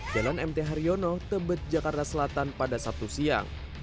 jalan mt haryono tebet jakarta selatan pada sabtu siang